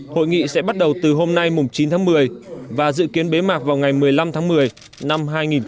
hội nghị sẽ bắt đầu từ hôm nay chín tháng một mươi và dự kiến bế mạc vào ngày một mươi năm tháng một mươi năm hai nghìn hai mươi